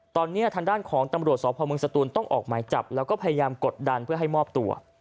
ตอนนี้ทางด้านของตำรวจสพเมืองสตูนต้องออกหมายจับแล้วก็พยายามกดดันเพื่อให้มอบตัว